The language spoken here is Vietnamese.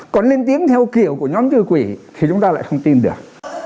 còn lên tiếng theo kiểu của nhóm thư quỷ thì chúng ta lại không tin được